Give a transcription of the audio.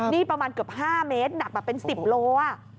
นี่ประมาณเกือบ๕เมตรหนักแบบเป็น๑๐โล